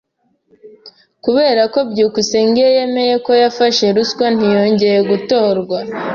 [S] Kubera ko byukusenge yemeye ko yafashe ruswa, ntiyongeye gutorwa.